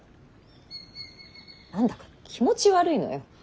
何だか気持ち悪いのよ。